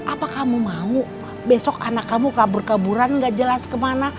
apa kamu mau besok anak kamu kabur kaburan gak jelas kemana